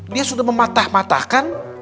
dia sudah mematah matahkan